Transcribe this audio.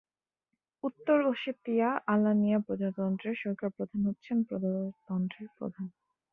উত্তর ওশেতিয়া-আলানিয়া প্রজাতন্ত্রের সরকার প্রধান হচ্ছেন প্রজাতন্ত্রের প্রধান।